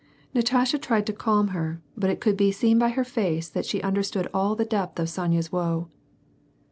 Natasha tried to calm her, but it could be seen by her face that she understood all the dej)th of Sonya's woe.